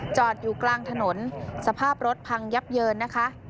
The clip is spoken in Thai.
จอดอยู่กลางถนนสภาพรถพังยับเยินนะคะ